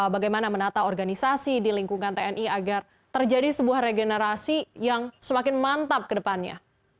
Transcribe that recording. bagaimana menata organisasi di lingkungan tni agar terjadi sebuah regenerasi yang semakin mantap ke depannya